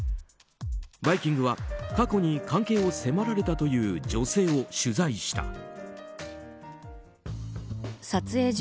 「バイキング」は過去に関係を迫られたという女性を取材した。